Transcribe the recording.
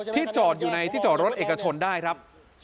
จอดอยู่ในที่จอดรถเอกชนได้ครับ